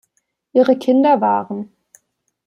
Ihre Kinder waren